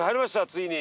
ついに。